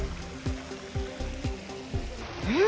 えっ？